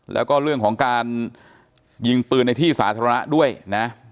แล้วก็เรื่องของการยิงปืนในที่สาธารณะด้วยนะ